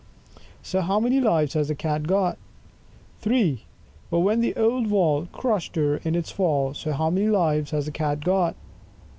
13 How many Lives has the Cat got? THREE! But then the old wall Crush'd her in its fall. So how many Lives has the Cat got?